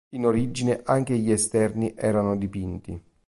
In origine anche gli esterni erano dipinti.